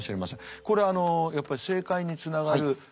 これあのやっぱり正解につながる。